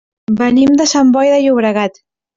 Venim de Sant Boi de Llobregat.